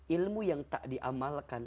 ilmu yang tak diamalkan